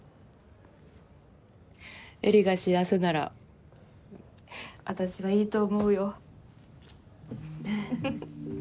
絵里が幸せなら私はいいと思うよ。